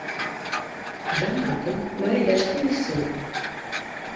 Жанаты, мае дачку і сына.